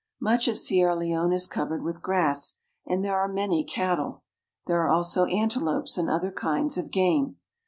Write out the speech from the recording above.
Much of Sierra Leone is covered with grass, and there | jre many cattle. There are also antelopes and other kinds \'. game.